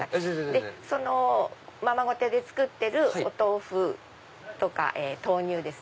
そのままごと屋で作ってるお豆腐とか豆乳ですね。